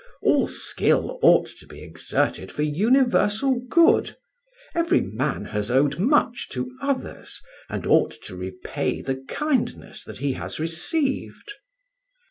All skill ought to be exerted for universal good; every man has owed much to others, and ought to repay the kindness that he has received."